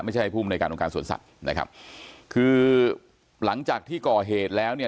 ไม่ใช่ภูมิในการองค์การสวนสัตว์นะครับคือหลังจากที่ก่อเหตุแล้วเนี่ย